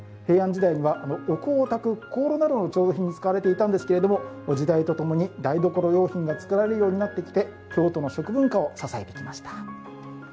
平安時代にはお香をたく香炉などの調度品に使われていたんですけれども時代とともに台所用品が作られるようになってきて京都の食文化を支えてきました。